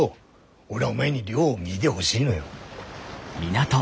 俺はお前に亮を見でほしいのよ。